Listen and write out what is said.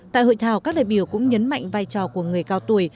tại hội thảo các đại biểu cũng nhấn mạnh vai trò của người cao tuổi